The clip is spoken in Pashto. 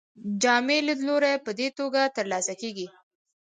جامع لیدلوری په دې توګه ترلاسه کیږي.